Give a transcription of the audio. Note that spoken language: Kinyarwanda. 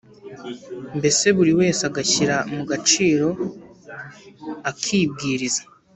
” mbese buri wese agashyira mu gaciro akibwiriza.